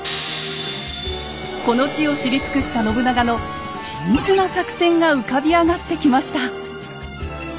この地を知り尽くした信長の緻密な作戦が浮かび上がってきました。